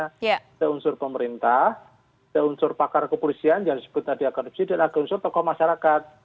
kita unsur pemerintah kita unsur pakar kepolisian jangan sebut tadi akademisi dan kita unsur tokoh masyarakat